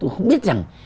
tôi không biết rằng